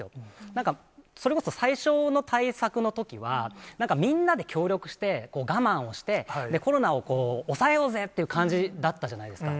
なんか、それこそ最初の対策のときは、みんなで協力して、我慢をして、コロナを抑えようぜ！っていう感じだったじゃないですか。